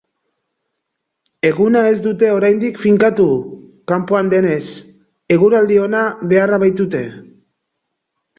Eguna ez dute oraindik finkatu, kanpoan denez, eguraldi ona beharra baitute.